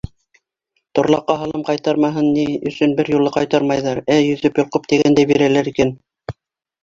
Торлаҡҡа һалым ҡайтармаһын ни өсөн бер юлы ҡайтармайҙар, ә өҙөп-йолҡоп тигәндәй бирәләр икән?